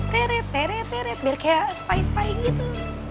tered teret teret biar kayak spai spai gitu